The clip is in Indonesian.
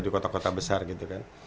di kota kota besar gitu kan